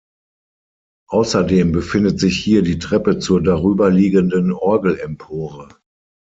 Außerdem befindet sich hier die Treppe zur darüberliegenden Orgelempore.